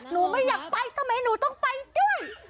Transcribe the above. หนูไม่อยากไปทำไมหนูต้องไปด้วย